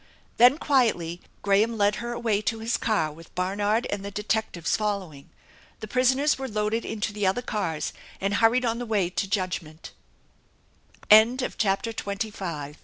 Then, quietly, Graham led her away to his car with Barnard and the detectives following. The prisoners were loaded into the other cars, and hurried on the way to jud